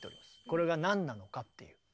これが何なのかっていう。